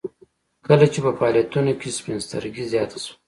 کله چې په فعاليتونو کې سپين سترګي زياته شوه.